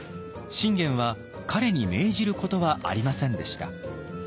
信玄は彼に命じることはありませんでした。